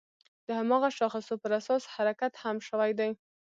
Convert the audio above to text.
د هماغه شاخصو پر اساس حرکت هم شوی دی.